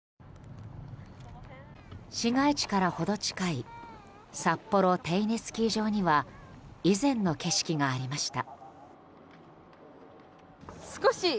市街地から程近いサッポロテイネスキー場には以前の景色がありました。